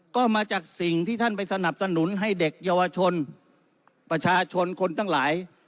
ก็มาจากสิ่งที่ท่านไปสนับสนุนให้เด็กเยาวชนประชาชนคนทั้งหลาย